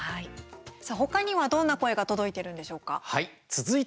さあ、ほかにはどんな声が届いているのでしょうか？